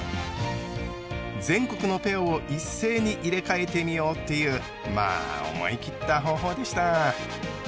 全国のペアを一斉に入れ替えてみようっていうまあ思い切った方法でした。